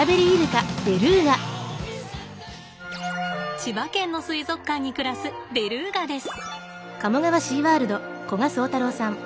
千葉県の水族館に暮らすベルーガです。